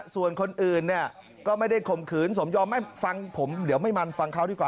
ส่วนคนอื่นเนี่ยก็ไม่ได้ข่มขืนสมยอมไม่ฟังผมเดี๋ยวไม่มันฟังเขาดีกว่า